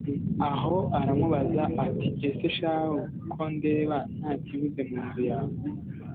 aho aramubaza ati: “Ese shahu, ko ndeba nta kibuze mu nzu yawe,